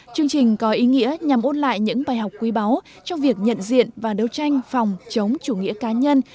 chương trình có ý nghĩa nhằm ôn lại những bài học quý báu trong việc nhận diện và đấu tranh phòng chống chủ nghĩa cá nhân